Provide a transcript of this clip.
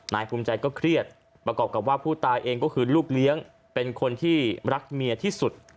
นายภูมิใจก็เครียดประกอบกับว่าผู้ตายเองก็คือลูกเลี้ยงเป็นคนที่รักเมียที่สุด